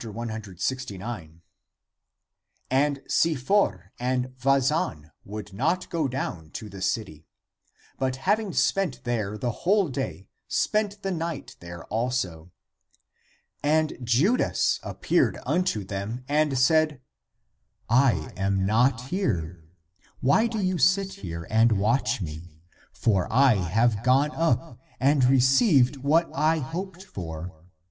And Si for and Vazan would not go down to the city, but, having spent there the whole day, spent the night there also. And Judas appeared un to them and said, " I am not here.^ Why do you sit here and watch me? For I have gone up, and received what I hoped for.